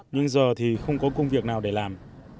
nhưng giờ thì không có công việc nào để làm